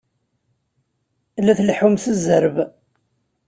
La tleḥḥum s zzerb!